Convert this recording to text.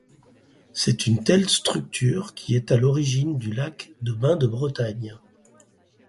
C'est une telle structure qui est à l'origine du lac de Bain-de-Bretagne.